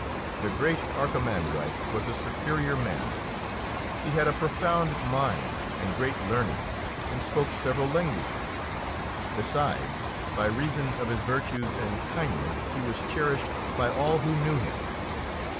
The great archimandrite was a superior man. He had a profound mind and great learning, and spoke several languages; besides, by reason of his virtues and kindness he was cherished by all who knew him.